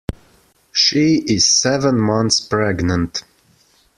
She is seven months pregnant.